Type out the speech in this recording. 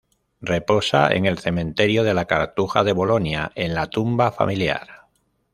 Reposa en el Cementerio de la Cartuja de Bolonia, en la tumba familiar.